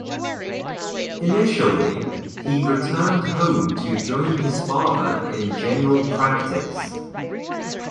Initially, he returned home to join his father in general practice.